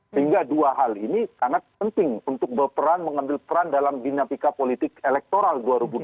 sehingga dua hal ini sangat penting untuk berperan mengambil peran dalam dinamika politik elektoral dua ribu dua puluh